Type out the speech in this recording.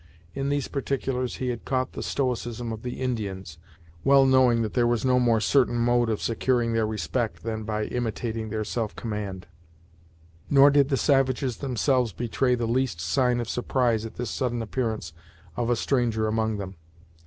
In these particulars he had caught the stoicism of the Indians, well knowing that there was no more certain mode of securing their respect than by imitating their self command. Nor did the savages themselves betray the least sign of surprise at this sudden appearance of a stranger among them.